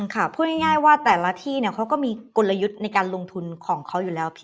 พูดง่ายว่าแต่ละที่เขาก็มีกลยุทธ์ในการลงทุนของเขาอยู่แล้วพี่